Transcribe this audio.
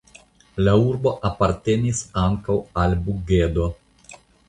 La urbo apartenis ankaŭ al Bugedo.